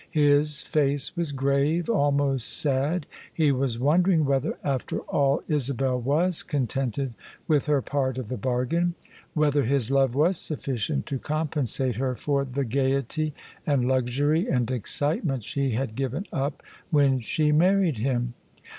His face was grave — ^almost sad. He was wondering whether after all Isabel was contented with her part of the bargain: whether his love was suflScient to compensate her for the gaiety and luxury and excitement she had given up when she married him.